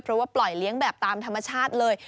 เพราะว่าปล่อยเลี้ยงแบบตามธรรมชาติเลย